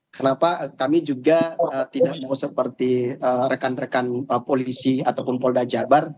kenapa kami juga tidak mau seperti rekan rekan polisi ataupun polda jabar